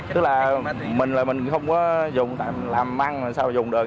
tức là mình là mình không có dùng làm ăn mà sao dùng được